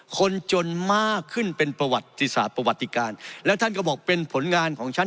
คนจนมากขึ้นเป็นประวัติศาสตร์ประวัติการแล้วท่านก็บอกเป็นผลงานของฉัน